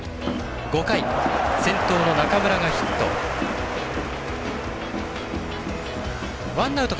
５回、先頭の中村がヒット。